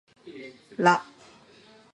ら